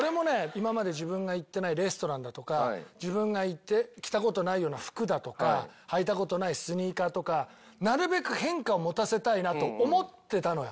今まで自分が行ってないレストランだとか自分が着た事ないような服だとか履いた事ないスニーカーとかなるべく変化を持たせたいなと思ってたのよ。